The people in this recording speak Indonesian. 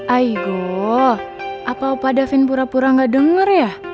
aigo apa opa devin pura pura gak denger ya